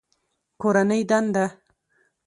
کورنۍ دنده